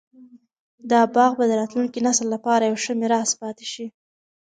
دا باغ به د راتلونکي نسل لپاره یو ښه میراث پاتې شي.